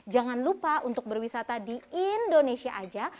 jangan lupa untuk berwisata di indonesia aja